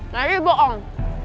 nah ini bohong